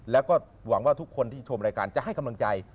แล้วก็หวังว่าทุกคนที่ชมรายการจะให้กำลังใจ